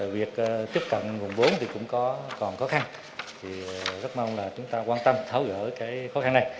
việc tiếp cận vùng bốn cũng còn khó khăn rất mong chúng ta quan tâm tháo gỡ khó khăn này